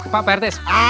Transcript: pak rt sempat